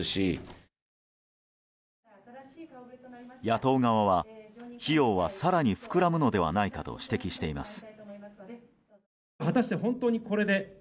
野党側は、費用は更に膨らむのではないかと指摘しています。